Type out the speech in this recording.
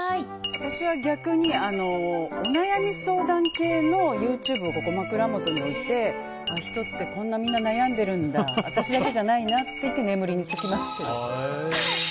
私は逆にお悩み相談系のＹｏｕＴｕｂｅを枕元に置いて人って、こんなみんな悩んでるんだ私だけじゃないなって言って眠りに就きます。